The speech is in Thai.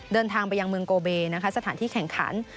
เดินทางไปยังเมืองโกเบนะคะสถานที่แข่งขัน